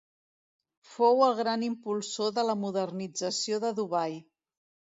Fou el gran impulsor de la modernització de Dubai.